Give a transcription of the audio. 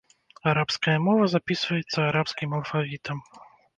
Арабская мова запісваецца арабскім алфавітам.